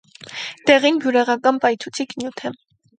Դեղին, բյուրեղական պայթուցիկ նյութ է։